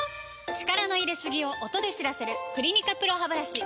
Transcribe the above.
力の入れすぎを音で知らせる「クリニカＰＲＯハブラシ」